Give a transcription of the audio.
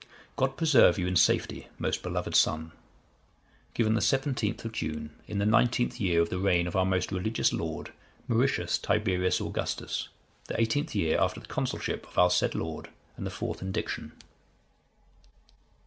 God preserve you in safety, most beloved son. "Given the 17th of June,(133) in the nineteenth year of the reign of our most religious lord, Mauritius Tiberius Augustus, the eighteenth year after the consulship of our said lord, and the fourth indiction."